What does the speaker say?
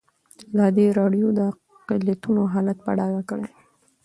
ازادي راډیو د اقلیتونه حالت په ډاګه کړی.